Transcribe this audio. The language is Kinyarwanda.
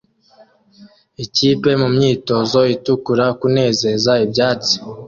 Ikipe mumyitozo itukura kunezeza ibyatsi